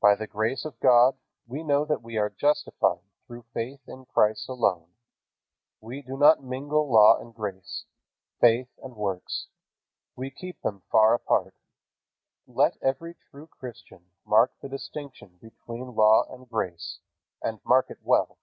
By the grace of God we know that we are justified through faith in Christ alone. We do not mingle law and grace, faith and works. We keep them far apart. Let every true Christian mark the distinction between law and grace, and mark it well.